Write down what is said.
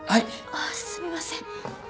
ああすみません。